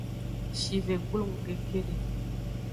Shive glong kekede.